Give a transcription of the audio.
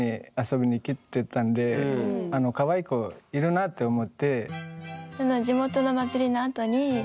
カワイイ子いるなって思って。